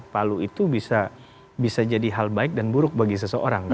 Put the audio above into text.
palu itu bisa jadi hal baik dan buruk bagi seseorang